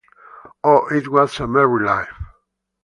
Oh, it was a merry life!